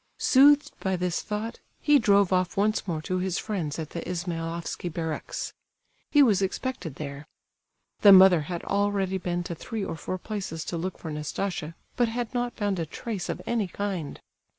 Soothed by this thought, he drove off once more to his friends at the Ismailofsky barracks. He was expected there. The mother had already been to three or four places to look for Nastasia, but had not found a trace of any kind.